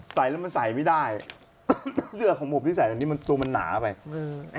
ใส่แล้วมันใส่ไม่ได้เสื้อของผมที่ใส่อันนี้มันตัวมันหนาไปอืม